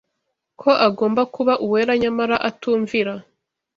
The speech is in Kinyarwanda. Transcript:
ko agomba kuba uwera nyamara atumvira